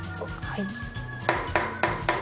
はい。